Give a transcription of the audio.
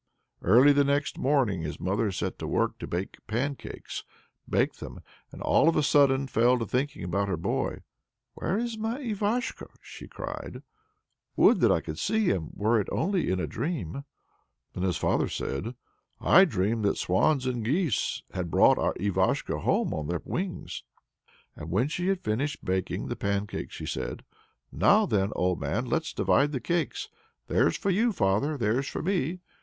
Early the next morning his mother set to work to bake pancakes, baked them, and all of a sudden fell to thinking about her boy. "Where is my Ivashko?" she cried; "would that I could see him, were it only in a dream!" Then his father said, "I dreamed that swans and geese had brought our Ivashko home on their wings." And when she had finished baking the pancakes, she said, "Now, then, old man, let's divide the cakes: there's for you, father! there's for me!